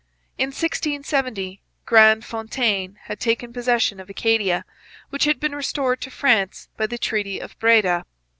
In 1670 Grandfontaine had taken possession of Acadia, which had been restored to France by the treaty of Breda.